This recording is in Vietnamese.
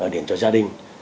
điền cho gia đình